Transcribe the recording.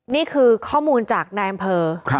นี่คือข้อมูลจากนายอำเภอ